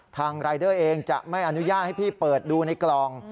รายเดอร์เองจะไม่อนุญาตให้พี่เปิดดูในกล่อง